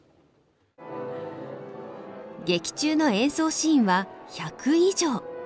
劇中の演奏シーンは１００以上。